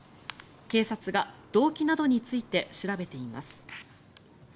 警察が動機などについて調べています。